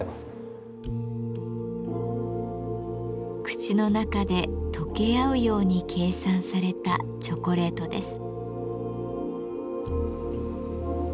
口の中で溶け合うように計算されたチョコレートです。